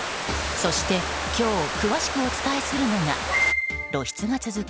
そして今日詳しくお伝えするのが露出が続く